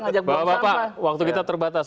ngajak beli sampah bapak pak waktu kita terbatas